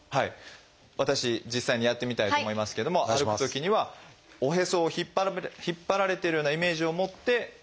私実際にやってみたいと思いますけども歩くときにはおへそを引っ張られてるようなイメージを持って歩いていただく。